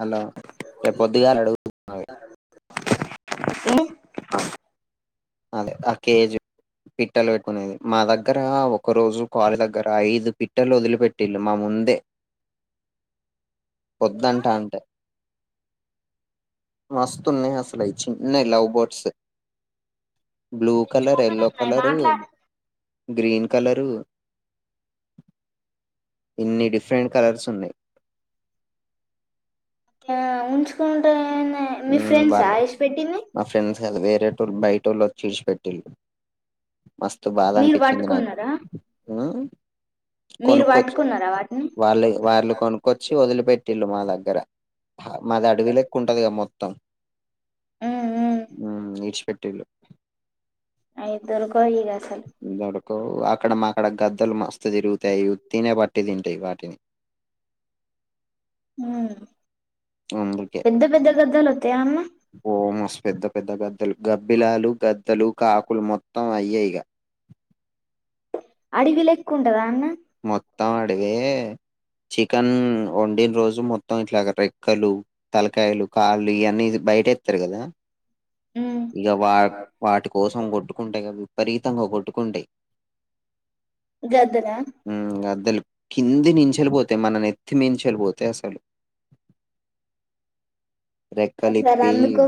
Hello రేపుద్దిగా అ అడుగుతున్నా అదే ఆ కేజీ పిట్టలు పెట్టుకునేది మా దగ్గర ఒక రోజు క్వారీ దగ్గర ఐదు పిట్టలు వదిలిపెట్టిళ్ళు మా ముందే వద్దట అంటే మస్తున్నాయి అసలుయితే చిన్నయి love birds blue colour yellow ఉన్నాయి కలరు మాట్లా గ్రీన్ కలరు ఇన్ని డిఫరెంట్ కలర్స్ ఉన్నాయి ఆ ఉంచుకుంట నేను ఉమ్ వాలే మా ఫ్రెండ్స్ కాదు వేరేటో తర్ బయిటోలు వచ్చి విడిచిపెట్టిలు మస్తు బాధ మీరు అనిపించింది నాకు పట్టుకున్నారా ఉమ్ మీరు కొనుక్కోచ్చు పట్టుకున్నారా వాటిని వాళ్ళే వాళ్ళు కొనుక్కొచ్చి వదిలిపెట్టిళ్ళు మా దగ్గర మాది అడవి లెక్క ఉంటది క మొత్తం ఉమ్ ఉమ్ మెత్తం ఉమ్ ఇచ్చి పెట్ టి లు అయితరు బోయిర్ అసల్ కో అక్కడ మా అక్కడ గద్దలు మస్తు తిరుగుతాయి ఉత్తిగానే పట్టి తింటాయి వాటిని ఉమ్ అందుకే పెద్ద పెద్ద గద్దలు ఉత్తయ అన్న ఓ మస్తు పెద్ద పెద్ద గద్దలు గబ్బిలాలు గద్దలు కాకులు మొత్తం అయ్యేయిగ అడివి లెక్కుంటాద అన్న మెత్ తాడే చికెన్ వండిన్ రోజు మొత్తం ఇట్లాగ రెక్కలు తలకాయలు కాళ్ళు ఇయన్నీ ఇది బైట్ ఎత్తార్ గదా ఉమ్ ఇగ వాక్ వాటి కోసం కొట్టుకుంటయ్ గవి విపరితంగా కొట్టుకుంటయ్ గద్దల తేలు కింది నించెలి పోతయ్ మన నెత్తిమించెలి పోతయ్ అసలు అ సర్ రెక్కలిప్పి అందుకు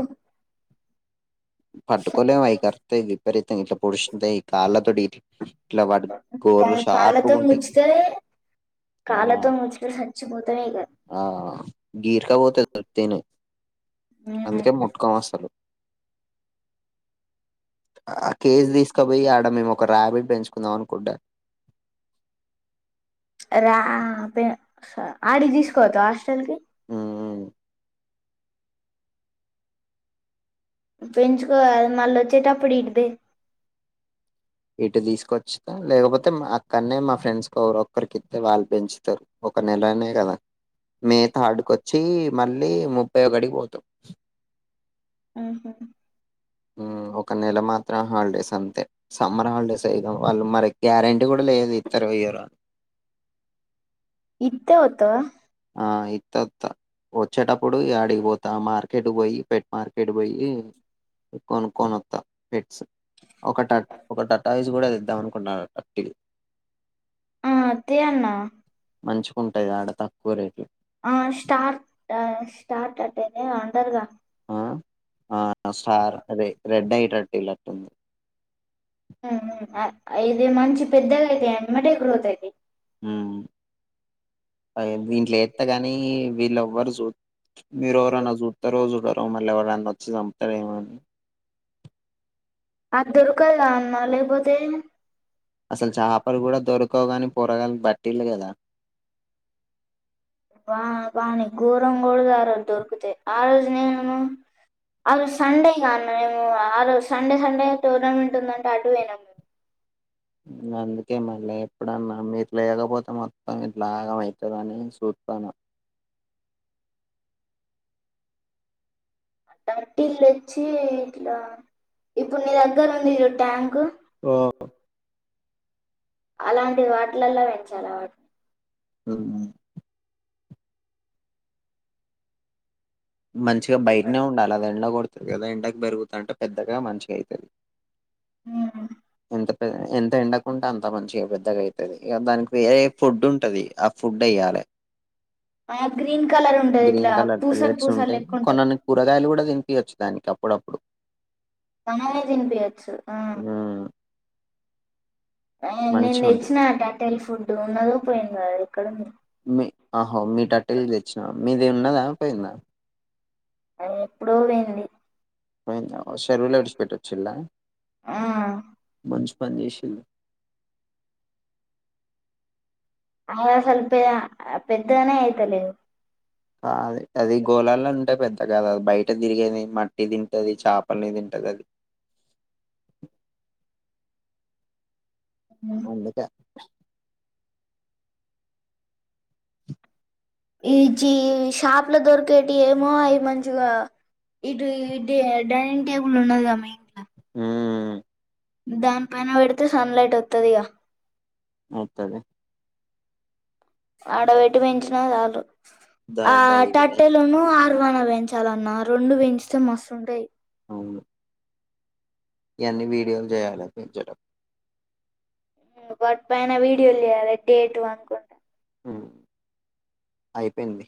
పట్టుకోలేము అయి కరుతాయి విపరీతం ఇట్లా పొడుశు తయ్ ఈ కాళ్ళక్ డీత్ ట్లావడ్ లోవర్లో షార్ట్ తుమ్ ముచ్చుతేనే కాళ్ళతో ముచ్చుక సచ్చిపోతాడ్ ఇగ ఆ గీర్కా పోోతే పోయాయితే ఉమ్ అందుకే ముట్కొని అస్తాలు ఆ కేస్ తీసుకపోయి ఆడ మేము ఒక ర్యాబిట్ పెంచుకుందాం కుండ రా పే స ఆడికి తీసుకుపోతావా హాస్టల్ కి ఉమ్ ఉమ్ పెంచుకో మళ వచ్చేటప్పుడు ఇట్ దిం ఇటు తీసుకొచ్చిన లేకపోతే అక్కనే మా ఫ్రెండ్స్ ఒరో ఒక్కరికొత్తే వాళ్ళు పెంచుతారు ఒక నెలనే కదా మే థర్డ్ కొచ్చి మళ్ళీ ముప్పై ఒకటికీ పోతాం ఆహా ఉం ఒక నెల మాత్రం హాలిడేస్ అంతే సమ్మర్ హాలిడేస్ అయిదం వాళ్ళు మరి గ్యారెంటీ కూడా లేదు ఇత్తారో ఇయ్యారో అని ఇంతే ఒత్తయ ఆ ఇత్తే ఒత్త వచ్చేటప్పుడు అడిగిపోతా ఆ మార్కెట్ పోయి పెట్ మార్కెట్ పోయి కొనుక్కొని ఒత్త పెట్స్ ఒక టక్ ఒక టటాయిస్ కుడ ద్దా అనుకున్నా రటిల్ ఆ అ తీ అన్న మంచికుంటుంది ఆడత కోరకు ఆ స్టార్ట్ స్టార్ట్ అట్టే అండరుగా ఆ ఆ స్టార్ ర రెడ్ అయిట్ర్టీలట్ంది ఇది మంచి పెద్దగా అయితే అమటే గ్రోత్ అయిది ఉమ్ ఇంట్లో కధు ఎస్త ని వీళ్ళు ఎవ్వరు చూ మీరు ఎవరైనా చూస్తారో చూడరో మళ్ళీ ఎవరు అన్న వచ్చి చంపుతారేమోని అది దొరకదా అన్న లేకపోతే అసలు చపలు కూడా దొరకవు గాని పొరగల్లు బట్టిల్లా కదా బా బానే ఘోరం కూడా ఆ రోజు దొరుకుతా ఆ రోజు నేను ఆ రోజు సండే కాన్న మేము ఆ రోజు సండే సండే టోర్నమెంట్ ఉందంటే అటు పోయినాము మేము అందుకే మళ్ళీ ఎప్పుడన్నా మీరు లేకపోతే మొత్తం మీ లాగంమవుతుందిని చూస్తాను టర్టీ ఇల్లు వచ్చి ఇట్లా ఇప్పుడు నీ దగ్గర ఉంది ట్యాంక్ ఓ అలాంటిది వాటిలల్లో పెంచాలి వాటిని ఉమ్ మంచిగా బయటనే ఉండాలి అద ఎండలో కొ కదా ఎండాకి పెరుగుతు అంటే పెద్దగా మంచిగా అవుతుంది హ్మ్ ఎ ఎంత ఎండకుంంటే అంత మంచిగా పెద్దగా అయితుది ఇక దానికి వేరే ఫుడ్ ఉంటది ఫుడ్ అయ్యాలే ఆ గ్రీన్ కలర్ ఉండది గ్రీన్ ఇట్లా కలర్ పూస పెల్లెట్స్ ఉంటాయి కొన్నాన్ని కూరగాయలు కూడా దినిపియవచ్చు దానికి అప్పుడప్పుడు కమాగా తిని పోయచ్చు ఆ ఉమ్, నేను మంచిగా ఉంటాయి తెచ్చినా టటల్ ఫుడ్ ఉన్నదు పోయింది కడంది మీ ఆ మీ టట్ట తెచ్చినా మీదే ఉన్నదా పోయిందా అ ఎప్పుడో పోంది పొయింధా షరవులో విడిసిపెట్టొచ్చులా ఆ మ పనీషలు ఆ స్వల్ప పెద్దదనే యితలే అదే అది గోలాాల అంటే పెద్ద కద బయట తిరిగేది మట్టి తింటది చేపలని తింటది అది అందుకా ఈ జీ షాప్లో దొరికేటి ఏమో అవి మంచిగా ఇటు డైనింగ్ టేబుల్ ఉన్నదమ్మా ఇంట్లో మ్ మ్ దాన్ పైన పెడ్తే సన్లైట్ వత్తదిగా మోత్తది. ఆడబెట్టి పెంచిన చాలు దా ఆ దా ఇటు దా టట్టెలోను ఆ ర్వాణ వేయించాలన్నా రొండు పెంచితేే మస్తుంటయి అవ్ను ఈ యన్ని వీడియోలు చేయాలె పెంచడం. వాటి పైన వీడియోలు చేయాలె డేటు అనుకుంటే అయిపోయింది.